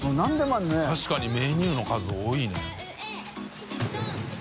確かにメニューの数多いね。